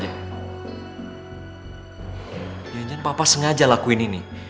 jangan jangan papa sengaja lakuin ini